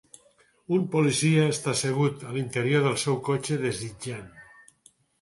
Un policia està assegut a l'interior del seu cotxe desitjant.